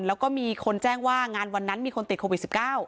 แล้วก็มีคนแจ้งว่างานวันนั้นมีคนติดโควิด๑๙